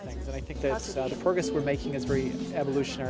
dan saya pikir kemajuan yang kita lakukan adalah sangat evolusional